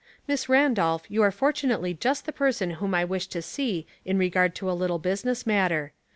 "Miss Randolph, you are fortunately just the person whom I wish to see in regard to a little business matter.